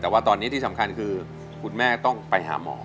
แต่ว่าตอนนี้ที่สำคัญคือคุณแม่ต้องไปหาหมอ